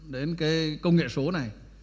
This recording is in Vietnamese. đến cái công nghệ số này